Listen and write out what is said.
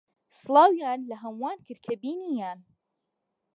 سڵاویان لە ھەمووان کرد کە بینییان.